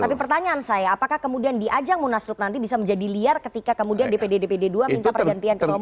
tapi pertanyaan saya apakah kemudian di ajang munaslup nanti bisa menjadi liar ketika kemudian dpd dpd dua minta pergantian ketua umum